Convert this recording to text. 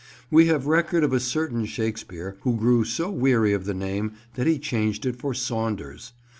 We have record of a certain Shakespeare who grew so weary of the name that he changed it for "Saunders."